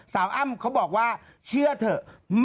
อ้ำเขาบอกว่าเชื่อเถอะ